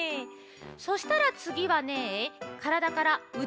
そしたらつぎはねからだからうでをだします。